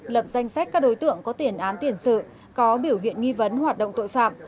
lập danh sách các đối tượng có tiền án tiền sự có biểu hiện nghi vấn hoạt động tội phạm